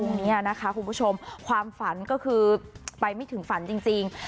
นี้นะคะคุณผู้ชมความฝันก็คือไปไม่ถึงฝันจริง